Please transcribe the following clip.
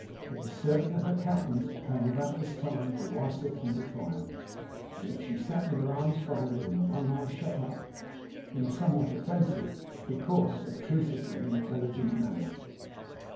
It is certain that her countenance became about this time derisive and defiant, and that she sat with her arms folded, and one eye shut up, in a somewhat offensive, because obstrusively intelligent, manner.